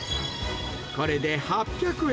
これで８００円。